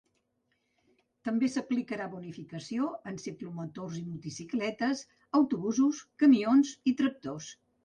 També s’aplicarà bonificació en ciclomotors i motocicletes, autobusos, camions i tractors.